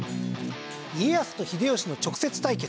家康と秀吉の直接対決